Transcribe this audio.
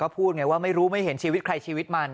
พูดไงว่าไม่รู้ไม่เห็นชีวิตใครชีวิตมัน